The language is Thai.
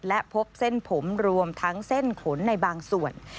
และพบเส้นผมรวมทั้งเส้นขนในบางส่วน